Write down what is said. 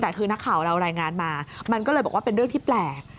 แต่คือนักข่าวเรารายงานมามันก็เลยบอกว่าเป็นเรื่องที่แปลก